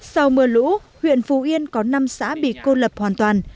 sau mưa lũ huyện phù yên có năm xã bị cô lập hoàn toàn